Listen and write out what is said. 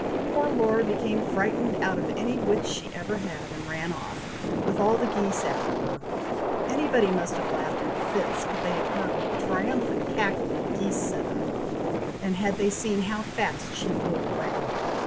Poor Laura became frightened out of any wits she ever had, and ran off, with all the geese after her! Anybody must have laughed into fits, could they have heard what a triumphant cackle the geese set up, and had they seen how fast she flew away.